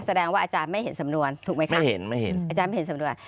อาจารย์ไม่เห็นสำนวนถูกไหมคะ